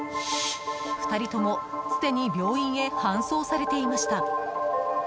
２人ともすでに病院へ搬送されていました。